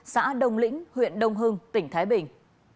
xã đồng lĩnh huyện đông hưng tỉnh thái bình